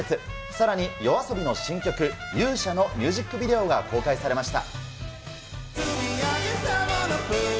さらにＹＯＡＳＯＢＩの新曲、勇者のミュージックビデオが公開されました。